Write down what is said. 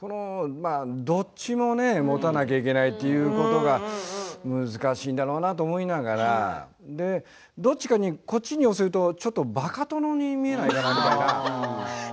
どっちも持たなければいけないということが難しいんだろうなと思いながら、どっちかにこっちに寄せるとバカ殿に見られないかな、とか。